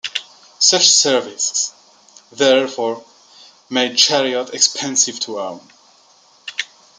Such services, therefore, made chariots expensive to own.